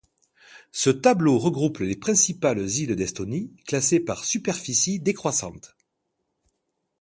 Ce tableau regroupe les principales îles d'Estonie, classées par superficie décroissante.